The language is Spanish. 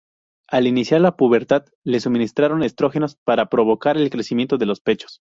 Al iniciar la pubertad le suministraron estrógenos para provocar el crecimiento de los pechos.